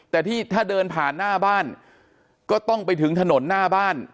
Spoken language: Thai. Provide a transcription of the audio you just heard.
แต่ที่ถ้าเดินผ่านหน้าบ้านก็ต้องไปถึงถนนหน้าบ้าน